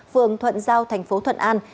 phường thuận giao thành phố thuận an